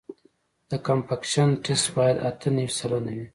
د کمپکشن ټسټ باید اته نوي سلنه وي